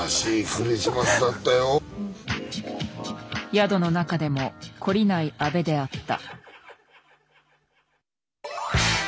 宿の中でも懲りない安部であった。